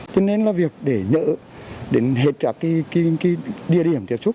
cho nên là việc để nhỡ để hết trả cái địa điểm tiếp xúc